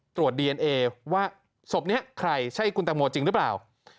ตรวจดีเอนเอว่าศพนี้ใครใช่คุณตังโมจริงหรือเปล่า